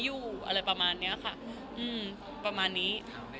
อืมประมาณนี้